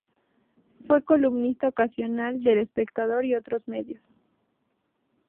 Fue columnista ocasional de El Espectador y otros medios.